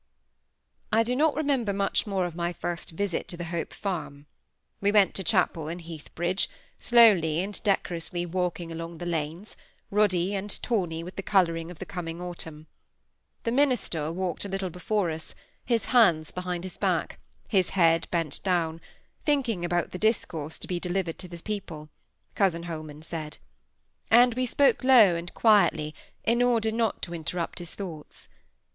I do not remember much more of my first visit to the Hope Farm. We went to chapel in Heathbridge, slowly and decorously walking along the lanes, ruddy and tawny with the colouring of the coming autumn. The minister walked a little before us, his hands behind his back, his head bent down, thinking about the discourse to be delivered to his people, cousin Holman said; and we spoke low and quietly, in order not to interrupt his thoughts.